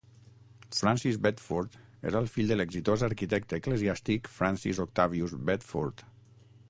Francis Bedford era el fill de l'exitós arquitecte eclesiàstic Francis Octavius Bedford.